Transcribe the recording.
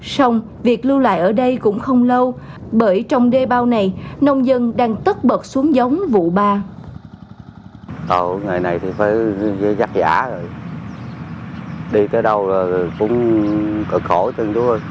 xong việc lưu lại ở đây cũng không lâu bởi trong đê bao này nông dân đang tất bật xuống giống vụ ba